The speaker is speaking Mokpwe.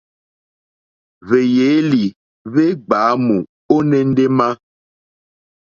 Hwèjèelì hwe gbàamù o ene ndema.